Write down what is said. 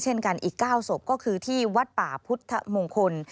เช่นกันอีก๙ศพก็คือที่วัดป่าพุทธมงคล